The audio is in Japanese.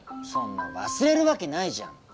そんな忘れるわけないじゃん！